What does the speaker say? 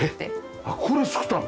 あっこれ作ったの？